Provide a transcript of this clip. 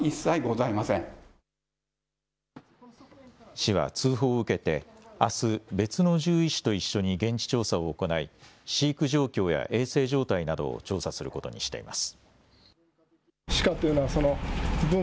市は通報を受けてあす、別の獣医師と一緒に現地調査を行い飼育状況や衛生状態などを調査することにしています。